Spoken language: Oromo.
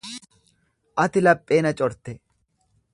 Ati laphee na corte.